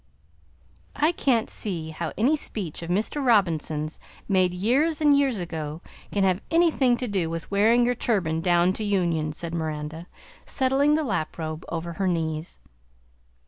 "I can't see how any speech of Mr. Robinson's, made years an' years ago, can have anything to do with wearin' your turban down to Union," said Miranda, settling the lap robe over her knees.